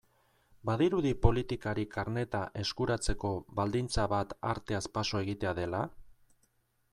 Badirudi politikari karneta eskuratzeko baldintza bat arteaz paso egitea dela?